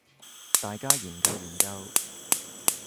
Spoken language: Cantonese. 大家研究研究